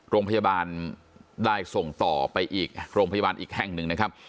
โรงพยาบาลได้ส่งต่อไปอีกโรงพยาบาลอีกแห่งหนึ่งนะครับ